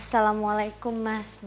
assalamualaikum mas mbe